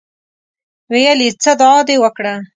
ویل یې څه دعا دې وکړه.